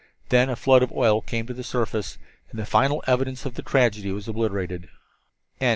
Then a flood of oil came to the surface of the sea, and the final evidence of the tragedy was obliterated.